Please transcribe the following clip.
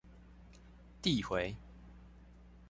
遞迴